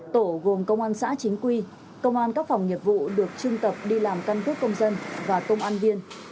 tổ gồm công an xã chính quy công an các phòng nghiệp vụ được trưng tập đi làm căn cước công dân và công an viên